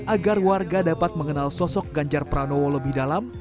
agar warga dapat mengenal sosok ganjar pranowo lebih dalam